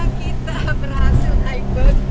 akhirnya kita berhasil naik berk